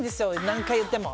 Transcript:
何回言っても。